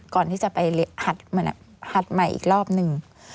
ก่อนที่จะไปหัดใหม่อีกรอบนึง